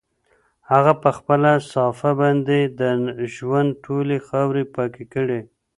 هغه په خپله صافه باندې د ژوند ټولې خاورې پاکې کړې.